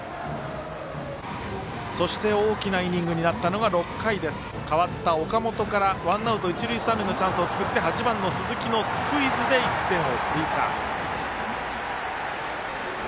そして大きなイニングになったのが６回です、代わった岡本からワンアウト、一塁三塁のチャンスを作って８番鈴木のスクイズで１点を追加。